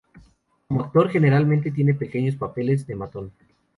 Como actor, generalmente tiene pequeños papeles de matón.